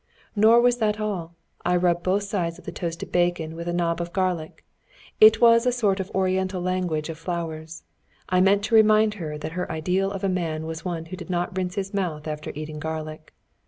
Nor was that all. I rubbed both sides of the toasted bacon with a knob of garlic. It was a sort of Oriental language of flowers. I meant to remind her that her ideal of a man was one who did not rinse his mouth after eating garlic.